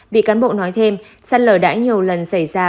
vị cán bộ nói thêm sạt lờ đã nhiều lần xảy ra